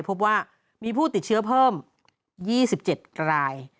พบว่ามีผู้ติดเชื้อเพิ่ม๒๗ราย